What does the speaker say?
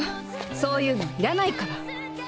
そういうの要らないから。